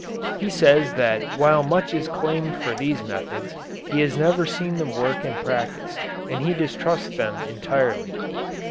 He says that while much is claimed for these methods he has never seen them work in practice and he distrusts them entirely.